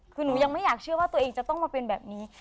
คือหนูยังไม่อยากเชื่อว่าตัวเองจะต้องมาเป็นแบบนี้